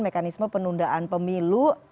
mekanisme penundaan pemilu